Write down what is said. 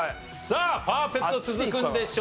さあパーフェクト続くんでしょうか？